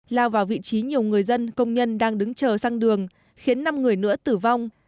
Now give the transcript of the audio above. lao vào vị trí nhiều người dân công nhân đang đứng chờ sang đường khiến năm người nữa tử vong